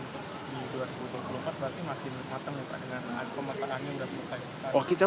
di dua ribu dua puluh empat berarti makin matang